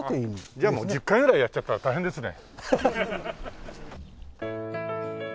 １０回ぐらいやっちゃったら大変ですね。